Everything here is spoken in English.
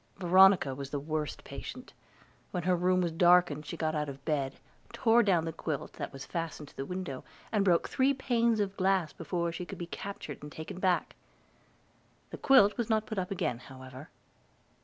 Veronica was the worst patient. When her room was darkened she got out of bed, tore down the quilt that was fastened to the window, and broke three panes of glass before she could be captured and taken back. The quilt was not put up again, however.